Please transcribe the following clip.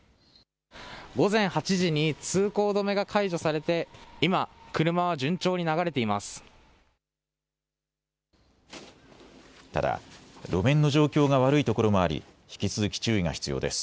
午前８時に通行止めが解除されて今、車は順調に流れています。